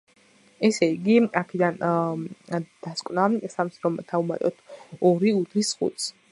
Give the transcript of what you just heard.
ესე იგი, აქედან დასკვნა — სამს რომ დავუმატოთ ორი უდრის ხუთს.